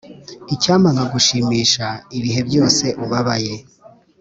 icyampa nkagushimisha ibihe byose ubabaye,